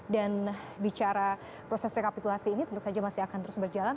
dan bicara proses rekapitulasi ini tentu saja masih akan terus berjalan